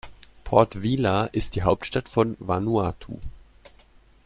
Port Vila ist die Hauptstadt von Vanuatu.